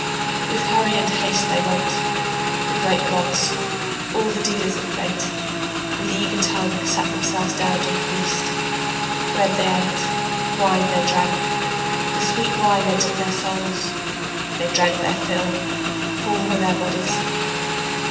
With hurry and haste they went, The great gods, all the dealers of fate, ... with eager tongue, sat themselves down to the feast. Bread they ate, wine they drank, The sweet wine entered their souls, They drank their fill, full were their bodies.